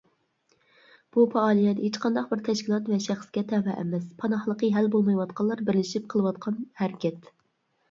بۇ پائالىيەت ھېچقانداق بىر تەشكىلات ۋە شەخسكە تەۋە ئەمەس، پاناھلىقى ھەل بولمايۋاتقانلار بىرلىشىپ قىلىۋاتقان ھەرىكەت.